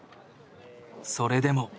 それでも。